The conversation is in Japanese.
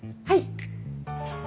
はい。